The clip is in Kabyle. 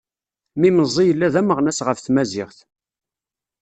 Mi meẓẓi yella d ameɣnas ɣef tmaziɣt.